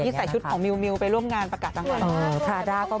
ใส่ชุดของมิวไปร่วมงานประกาศต่าง